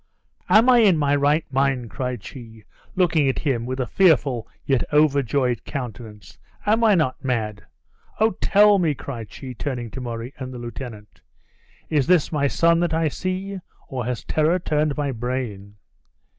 "Am I in my right mind?" cried she, looking at him with a fearful, yet overjoyed countenance; "am I not mad? Oh! tell me," cried she, turning to Murray, and the lieutenant, "is this my son that I see, or has terror turned my brain?"